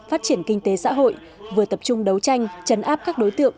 phát triển kinh tế xã hội vừa tập trung đấu tranh chấn áp các đối tượng